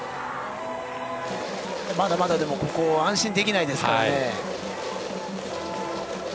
まだまだ安心できないですからね。